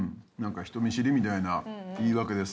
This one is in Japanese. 「人見知り」みたいな言い訳でさ